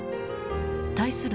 対する